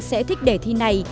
sẽ thích đề thi này